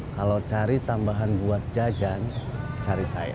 kalau cari tambahan buat jajan cari saya